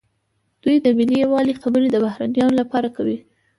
دوی د ملي یووالي خبرې د بهرنیانو لپاره کوي.